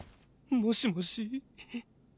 もしもし。